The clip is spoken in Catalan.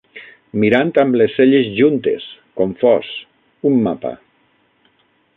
Mirant amb les celles juntes, confós, un mapa